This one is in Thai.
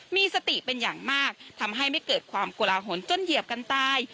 มีสติเป็นอย่างมากทำให้ไม่เกิดความโกลาหลจนเหยียบกันตาย